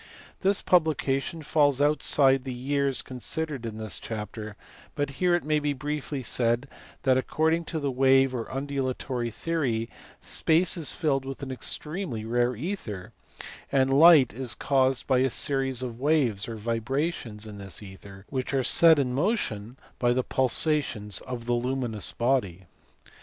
This publication falls outside the years con sidered in this chapter, but here it may be briefly said that according to the wave or undulatory theory space is filled with an extremely rare ether, and light is caused by a series of waves or vibrations in this ether which are set in motion by the pulsations of the luminous body.